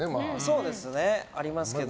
そうですね、ありますけど。